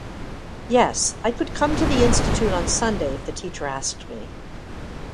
Yes, I could come to the Institute on Sunday if the teacher asked me.